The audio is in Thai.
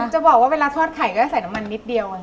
จะบอกว่าเวลาทอดไข่ก็ใส่น้ำมันนิดเดียว